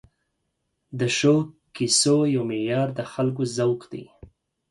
د ښو کیسو یو معیار د خلکو ذوق دی.